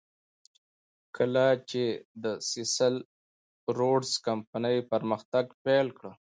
کله چې د سیسل روډز کمپنۍ پرمختګ پیل کړ.